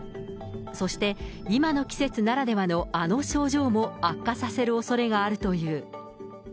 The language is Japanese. そして、今の季節ならではのあの症状も悪化させるおそれがあるという。